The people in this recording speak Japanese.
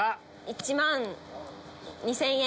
１万２０００円。